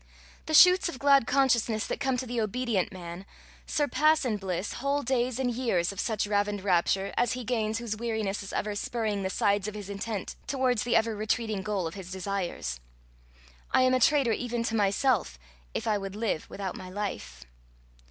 The shoots of glad consciousness that come to the obedient man, surpass in bliss whole days and years of such ravined rapture as he gains whose weariness is ever spurring the sides of his intent towards the ever retreating goal of his desires. I am a traitor even to myself if I would live without my life.